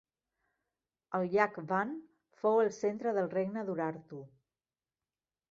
El llac Van fou el centre del Regne d'Urartu.